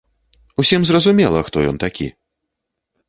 Усім зразумела, хто ён такі.